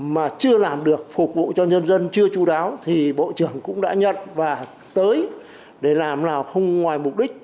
mà chưa làm được phục vụ cho nhân dân chưa chú đáo thì bộ trưởng cũng đã nhận và tới để làm nào không ngoài mục đích